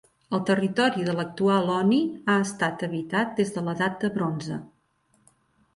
El territori de l'actual Oni ha estat habitat des de l'Edat de Bronze.